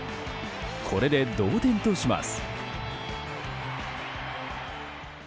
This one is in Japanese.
これで同点とします。